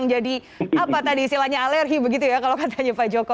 karena kata larangan itu bikin orang jadi apa tadi silahnya alergi begitu ya kalau katanya pak joko